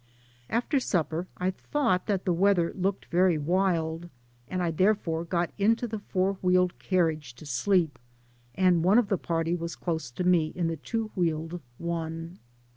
After supper I thought that the weather looked very wild, and I therefcM^ got into the four wheeled carriage to sleep, and one of the party was close to me in the two wheeled one.